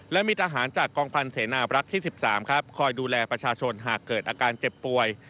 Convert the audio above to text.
และมีทหารจากกองพันธ์เสนาบรักษ์ที่๑๓ครับคอยดูแลประชาชนหากเกิดอาการเจ็บป่วย